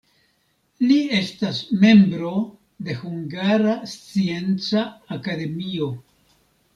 Li estas membro de Hungara Scienca Akademio.